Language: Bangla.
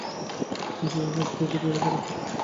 ঈশ্বরের হাতকে তৈরি করো!